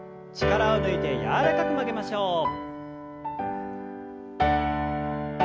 力を抜いて柔らかく曲げましょう。